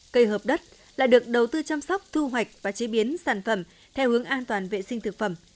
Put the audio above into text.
cây hợp đất lại được đầu tư chăm sóc thu hoạch và chế biến sản phẩm theo hướng an toàn vệ sinh thực phẩm